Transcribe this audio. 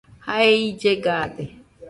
Jae ille gaade.